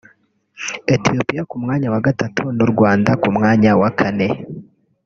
Ethiopia ku mwanya wa gatatu n’u Rwanda ku mwanya wa kane